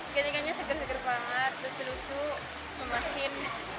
ikan ikannya seger seger banget lucu lucu memasin